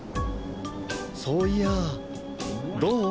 そういやあどう？